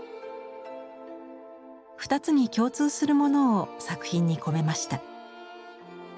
２つに共通するものを作品に込めました。